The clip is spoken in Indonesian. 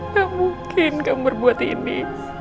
gak mungkin kamu berbuat ini